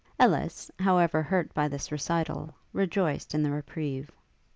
Ellis, however, hurt by this recital, rejoiced in the reprieve.